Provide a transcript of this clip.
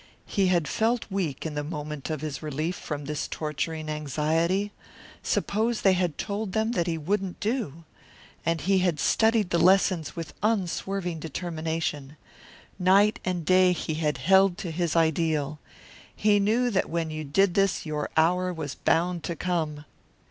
He had felt weak in the moment of his relief from this torturing anxiety. Suppose they had told him that he wouldn't do? And he had studied the lessons with unswerving determination. Night and day he had held to his ideal. He knew that when you did this your hour was bound to come.